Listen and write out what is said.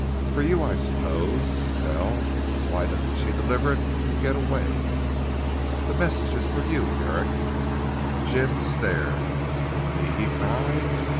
"For you, I suppose? Well why doesn't she deliver it and get away." "The message is for you Herrick." Dr. Jim stared. "For me!" he cried.